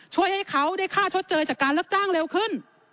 ช่วยให้เขาได้ค่าชดเจอจากการรับจ้างเร็วขึ้น